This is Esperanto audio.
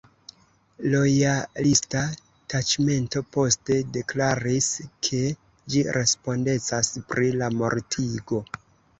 Lojalista taĉmento poste deklaris, ke ĝi respondecas pri la mortigo.